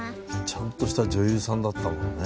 ちゃんとした女優さんだったもんね。